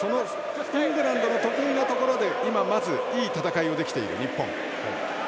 イングランドの得意なところでいい戦いが、まずできている日本。